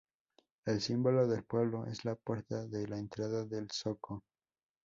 El símbolo del pueblo es la puerta de la entrada del Zoco.